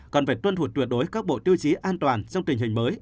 còn phải tuân thuộc tuyệt đối các bộ tiêu chí an toàn trong tình hình mới